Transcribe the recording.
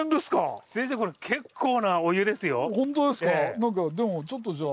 何かでもちょっとじゃあ。